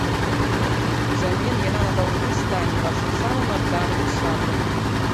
Узамен яна назаўжды стане вашым самым адданым сябрам.